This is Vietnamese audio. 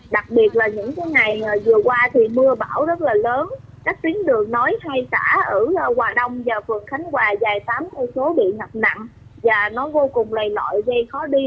đặc biệt là những ngày vừa qua thì mưa bão rất là lớn đất tuyến đường nói hay xã ở hòa đông và phường khánh hòa dài tám km bị ngập nặng và nó vô cùng lầy lọi dây khó đi